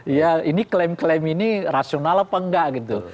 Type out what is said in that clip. ya ini klaim klaim ini rasional apa enggak gitu